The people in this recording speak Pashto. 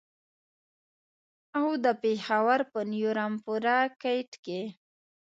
او د پېښور په نیو رمپوره ګېټ کې.